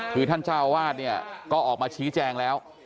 คือท่านเจ้าวาดเนี่ยก็ออกมาชี้แจงแล้ว